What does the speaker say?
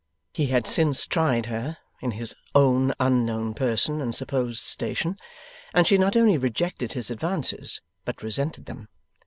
He had since tried her, in his own unknown person and supposed station, and she not only rejected his advances but resented them.